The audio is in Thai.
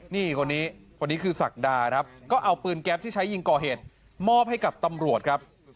นี่คนนี้คนนี้คือศักดาครับก็เอาปืนแก๊ปที่ใช้ยิงก่อเหตุมอบให้กับตำรวจครับ